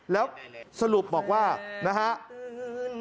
แล้วสรุปบอกว่าเกิดอะไร